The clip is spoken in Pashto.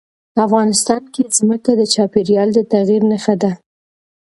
افغانستان کې ځمکه د چاپېریال د تغیر نښه ده.